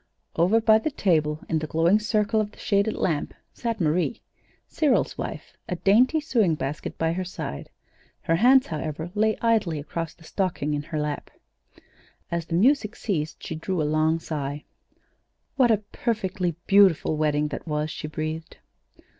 Over by the table in the glowing circle of the shaded lamp, sat Marie, Cyril's wife, a dainty sewing basket by her side. Her hands, however, lay idly across the stocking in her lap. As the music ceased, she drew a long sigh. What a perfectly beautiful wedding that was! she breathed.